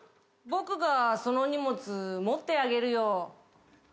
僕がその荷物持ってあげるよ」